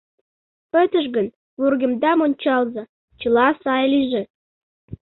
— Пытыш гын, вургемдам ончалза, чыла сай лийже.